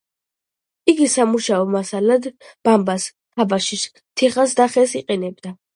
იგი სამუშაო მასალად ბამბას, თაბაშირს, თიხასა და ხეს იყენებს.